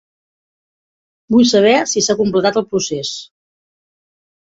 Vull saber si s'ha completat el procés.